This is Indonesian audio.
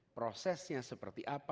prosesnya seperti apa